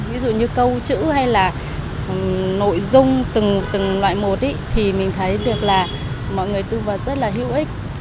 ví dụ như câu chữ hay là nội dung từng loại một mình thấy được là mọi người tư vấn rất là hữu ích